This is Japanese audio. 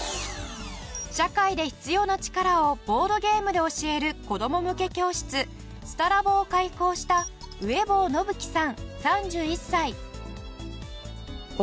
社会で必要な力をボードゲームで教える子供向け教室「すたらぼ」を開校した上坊信貴さん３１歳。